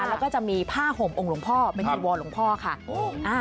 แล้วก็จะมีผ้าห่มองค์หลวงพ่อเป็นจีวรหลวงพ่อค่ะ